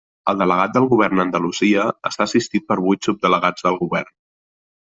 El delegat del Govern a Andalusia està assistit per vuit subdelegats del Govern.